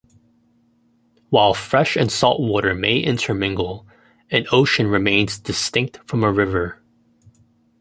While fresh and salt water may intermingle, an ocean remains distinct from a river.